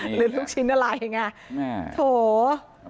หรือลูกชิ้นอะไรไง